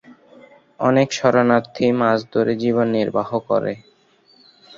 অনেক শরণার্থী মাছ ধরে জীবন নির্বাহ করে।